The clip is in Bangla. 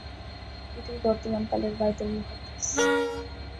এটাই বর্তমান কালের বায়তুল মুকাদ্দাস।